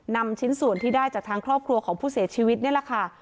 นำชิ้นส่วนที่ได้จากทางครอบครัวของผู้เสียชีวิตนี่แหละค่ะ